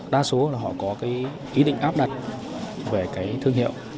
đa số họ có ý định áp đặt về thương hiệu